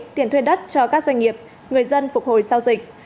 tiền thuê đất cho các doanh nghiệp người dân phục hồi sau dịch